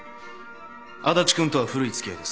足達君とは古い付き合いです。